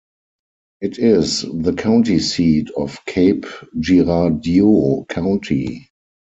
It is the county seat of Cape Girardeau County.